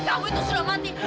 ayah kamu itu sudah mati